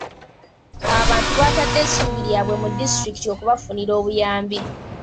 Abantu batadde essuubi lyabwe mu disitulikiti okubafunira obuyambi.